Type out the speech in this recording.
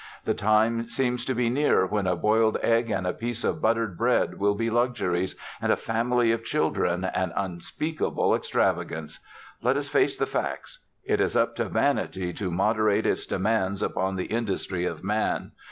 The time seems to be near when a boiled egg and a piece of buttered bread will be luxuries and a family of children an unspeakable extravagance. Let us face the facts. It is up to Vanity to moderate its demands upon the industry of man.